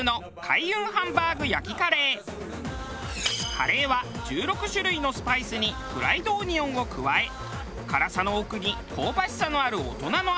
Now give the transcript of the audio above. カレーは１６種類のスパイスにフライドオニオンを加え辛さの奥に香ばしさのある大人の味に。